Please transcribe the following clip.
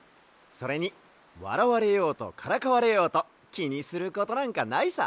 それにわらわれようとからかわれようときにすることなんかないさ。